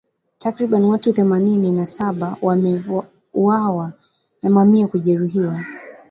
Takribani watu themanini na saba wameuawa na mamia kujeruhiwa